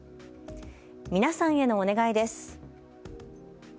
皆さんへのお願いです。